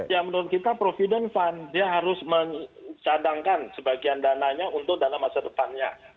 ya menurut kita provident fund dia harus mencadangkan sebagian dananya untuk dana masa depannya